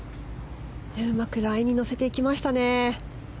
うまくラインに乗せていきましたね。